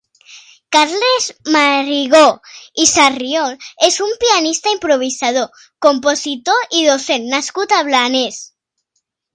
Carles Marigó i Sarrión és un pianista, improvisador, compositor i docent nascut a Blanes.